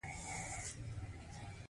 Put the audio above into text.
قرارداد باید د هیواد تر قوانینو لاندې وي.